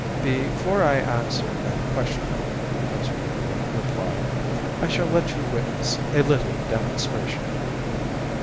"Before I answer that question," Professor Wentworth replied, "I shall let you witness a little demonstration."